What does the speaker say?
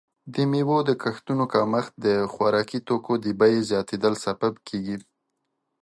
د میوو د کښتونو کمښت د خوراکي توکو د بیې زیاتیدل سبب کیږي.